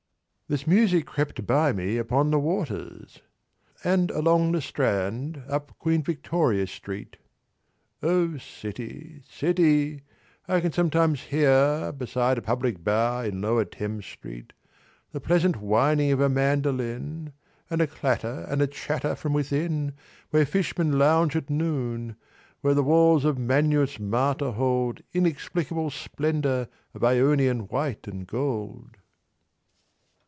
"This music crept by me upon the waters" And along the Strand, up Queen Victoria Street. O City city, I can sometimes hear Beside a public bar in Lower Thames Street, 260 The pleasant whining of a mandoline And a clatter and a chatter from within Where fishmen lounge at noon: where the walls Of Magnus Martyr hold Inexplicable splendour of Ionian white and gold.